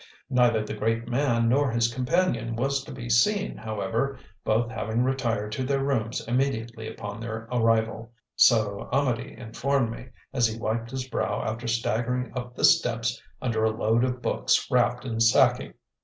Neither the great man nor his companion was to be seen, however, both having retired to their rooms immediately upon their arrival so Amedee informed me, as he wiped his brow after staggering up the steps under a load of books wrapped in sacking.